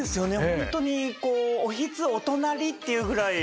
本当におひつお隣っていうぐらい。